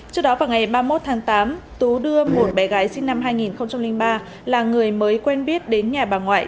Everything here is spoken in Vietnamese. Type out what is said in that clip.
trước đó vào ngày ba mươi một tháng tám tú đưa một bé gái sinh năm hai nghìn ba là người mới quen biết đến nhà bà ngoại